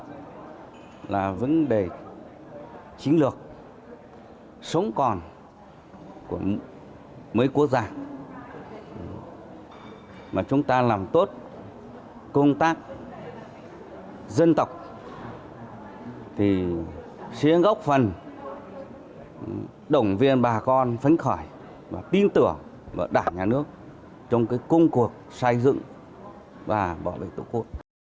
chúng ta đã xác định vấn đề chiến lược là vấn đề chiến lược sống còn của mấy quốc gia mà chúng ta làm tốt công tác dân tộc thì sẽ góp phần đồng viên bà con phánh khỏi và tin tưởng vào đảng nhà nước trong công cuộc xây dựng và bảo vệ tổ quốc